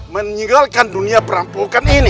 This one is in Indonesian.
menyinggalkan dunia perampokan ini